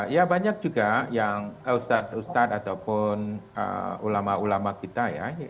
ya banyak juga yang ustadz ustadz ataupun ulama ulama kita ya